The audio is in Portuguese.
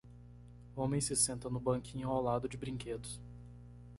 Homem se senta no banquinho ao lado de brinquedos.